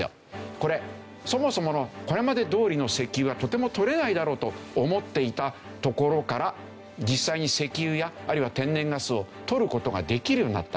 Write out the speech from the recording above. これそもそものこれまでどおりの石油はとても採れないだろうと思っていたところから実際に石油やあるいは天然ガスを採る事ができるようになった。